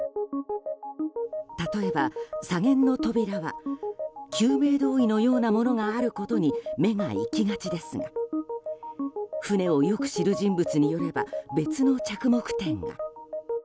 例えば左舷の扉は救命胴衣のようなものがあることに目がいきがちですが船をよく知る人物によれば別の着目点が。